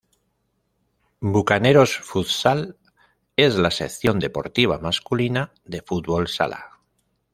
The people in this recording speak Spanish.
Bucaneros Futsal, es la sección deportiva masculina de fútbol sala.